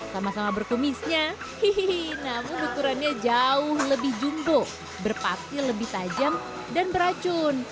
sama sama berkumisnya namun ukurannya jauh lebih jumbo berpasti lebih tajam dan beracun